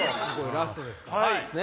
ラストですからね。